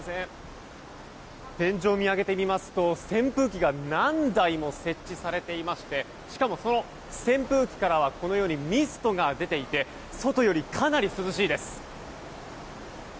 天井を見上げてみますと扇風機が何台も設置されていましてしかも扇風機からはミストが出ていて外よりかなり涼しいです。